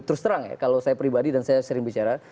terus terang ya kalau saya pribadi dan saya sering bicara